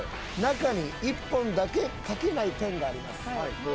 なかに１本だけ書けないペンがあります